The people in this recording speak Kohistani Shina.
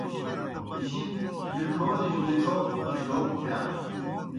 جِب بِٹھونِجیْ مُڇھو جوک تِھیا